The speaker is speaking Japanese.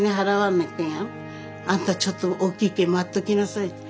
「あんたちょっと大きいけん待っときなさい」って。